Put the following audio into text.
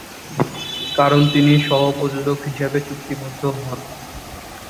কারণ তিনি সহ-প্রযোজক হিসেবে চুক্তিবদ্ধ হন।